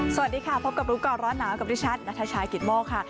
สวัสดีค่ะพบกับรู้ก่อนร้อนหนาวกับดิฉันนัทชายกิตโมกค่ะ